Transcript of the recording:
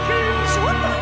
ちょっと⁉